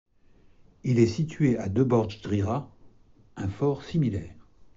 Il est situé à de Borj Drira, un fort similaire.